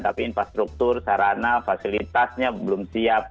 tapi infrastruktur sarana fasilitasnya belum siap